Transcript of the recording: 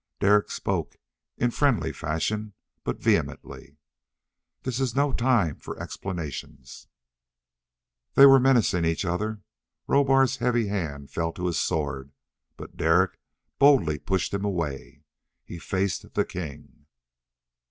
Derek spoke in friendly fashion, but vehemently. "This is no time for explanations." They were menacing each other. Rohbar's heavy hand fell to his sword, but Derek boldly pushed him away. He faced the king.